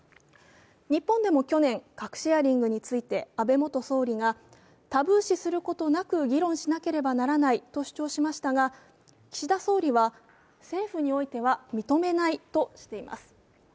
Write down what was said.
日本でも去年、核シェアリングについて安倍元総理が、タブー視することなく議論しなければならないと主張しましたが、岸田総理は、政府においては認めないとしています。